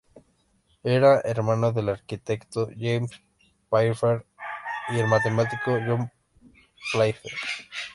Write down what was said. Era hermano del arquitecto James Playfair y el matemático John Playfair.